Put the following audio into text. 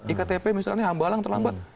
iktp misalnya hamba halang terlambat